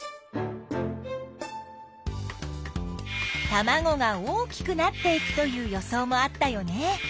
たまごが大きくなっていくという予想もあったよね。